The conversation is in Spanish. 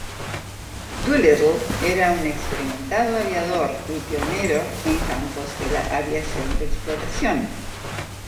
Doolittle era un experimentado aviador y pionero en campos de la aviación de exploración.